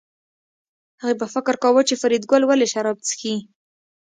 هغې به فکر کاوه چې فریدګل ولې شراب څښي